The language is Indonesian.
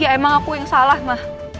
iya emang aku yang salah ma